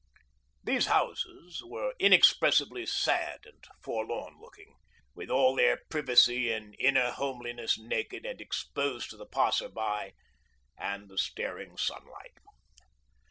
These houses were inexpressibly sad and forlorn looking, with all their privacy and inner homeliness naked and exposed to the passer by and the staring sunlight.